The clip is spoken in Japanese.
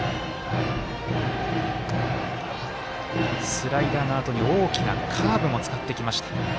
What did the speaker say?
スライダーのあとに大きなカーブも使ってきました。